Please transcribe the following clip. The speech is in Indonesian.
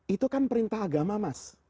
itu kan perintah agama mas